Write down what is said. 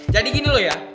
jadi gini dulu ya